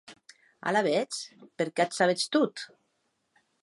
Alavetz, per qué ac sabetz tot?